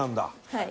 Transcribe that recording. はい。